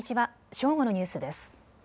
正午のニュースです。